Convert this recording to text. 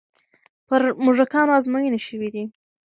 پر موږکانو ازموینې شوې دي.